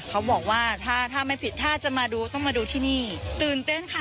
เขาบอกว่าถ้าถ้าไม่ผิดถ้าจะมาดูต้องมาดูที่นี่ตื่นเต้นค่ะ